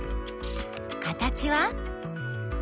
形は？